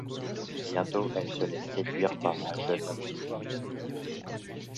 Bientôt, elle se laisse séduire par un jeune homme timide.